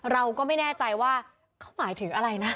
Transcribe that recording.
เราก็ไม่แน่ใจว่าเขาหมายถึงอะไรนะ